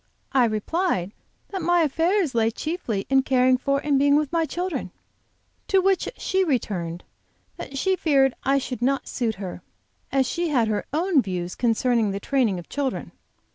I replied that my affairs lay chiefly in caring for and being with my children; to which she returned that she feared I should not suit her, as she had her own views concerning the training of children.